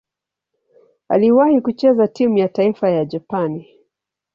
Aliwahi kucheza timu ya taifa ya Japani.